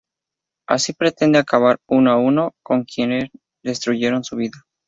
Así pretende acabar, uno a uno, con quieren destruyeron su vida.